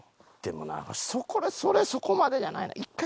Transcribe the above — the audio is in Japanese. でもなそれそこまでじゃない。